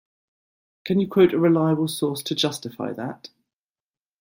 Can you quote a reliable source to justify that?